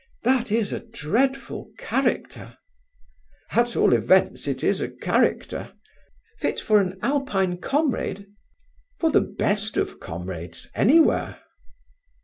"That is a dreadful character." "At all events, it is a character." "Fit for an Alpine comrade?" "For the best of comrades anywhere."